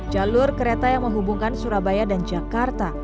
jalur kereta yang menghubungkan surabaya dan jakarta